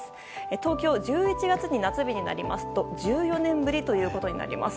東京、１１月に夏日になりますと１４年ぶりということになります。